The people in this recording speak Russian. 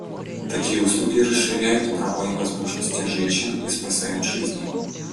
Такие услуги расширяют права и возможности женщин и спасают жизни.